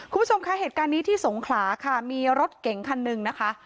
คุณผู้ชมคะเหตุการณ์นี้ที่สงขลาค่ะมีรถเก๋งคันหนึ่งนะคะ